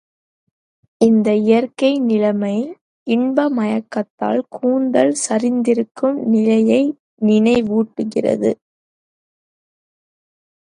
இந்த இயற்கை நிலைமை, இன்ப மயக்கத்தால் கூந்தல் சரிந்திருக்கும் நிலையை நினைவூட்டுகிறது.